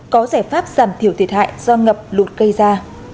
có giải pháp giảm thiểu thiệt hại do ngập lụt gây ra